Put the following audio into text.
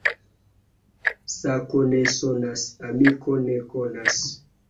Sako ne sonas, amiko ne konas.